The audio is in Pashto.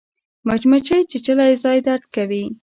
مچمچۍ چیچلی ځای درد کوي